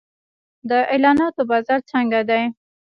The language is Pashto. د اعلاناتو بازار څنګه دی؟